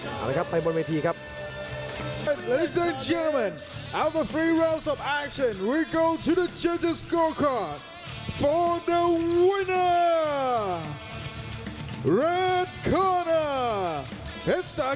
เอาละครับไปบนเวทีครับ